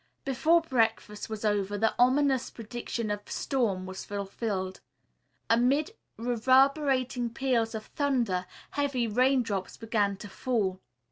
Before breakfast was over the ominous prediction of storm was fulfilled. Amid reverberating peals of thunder, heavy raindrops began to fall.